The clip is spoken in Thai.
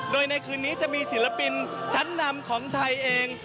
โดยในคืนนี้จะมีศิลปินชั้นนำของไทยเอง